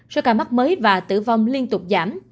số ca mắc mới và tử vong liên tục giảm